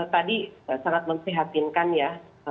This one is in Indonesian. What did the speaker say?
tadi sangat memperhatinkan ya